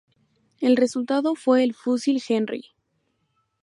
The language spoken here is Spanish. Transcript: El resultado fue el fusil Henry.